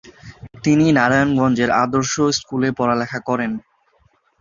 তিনি নারায়ণগঞ্জের আদর্শ স্কুলে পড়ালেখা করেন।